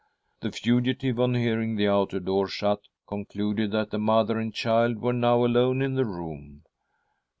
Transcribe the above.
'The fugitive, on hearing the outer door shut, concluded .that the mother and child were now alone in the room.